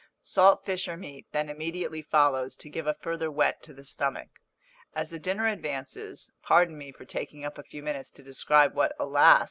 Salt fish or meat then immediately follows, to give a further whet to the stomach. As the dinner advances, pardon me for taking up a few minutes to describe what, alas!